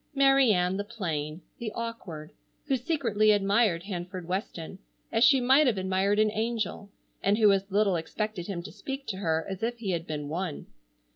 Mary Ann, the plain, the awkward, who secretly admired Hanford Weston as she might have admired an angel, and who as little expected him to speak to her as if he had been one.